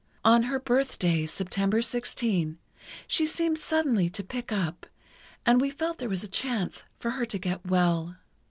On her birthday, September 16, she seemed suddenly to pick up, and we felt there was a chance for her to get well.